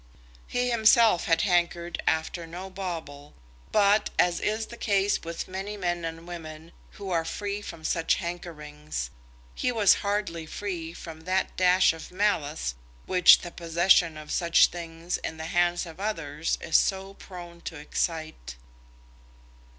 He himself had hankered after no bauble, but, as is the case with many men and women who are free from such hankerings, he was hardly free from that dash of malice which the possession of such things in the hands of others is so prone to excite.